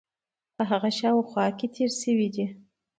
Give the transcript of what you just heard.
هغه په شاوخوا کې تېر شوی دی.